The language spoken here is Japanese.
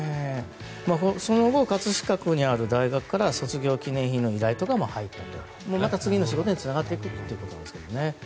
その後葛飾区にある大学から卒業記念品の依頼とかも入ってきてまた次の仕事につながっているということですね。